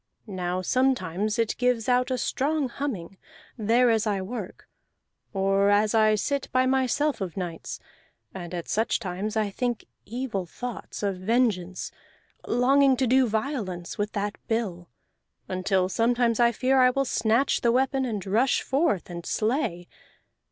Now sometimes it gives out a strong humming, there as I work, or as I sit by myself of nights; and at such times I think evil thoughts of vengeance, longing to do violence with the bill, until sometimes I fear I will snatch the weapon and rush forth and slay.